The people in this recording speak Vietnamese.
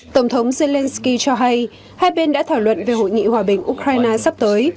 tổng thống zelensky cho hay hai bên đã thảo luận về hội nghị hòa bình ukraine sắp tới